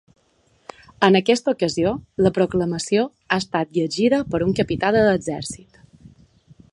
En aquesta ocasió la proclamació ha estat llegida per un capità de l’exèrcit.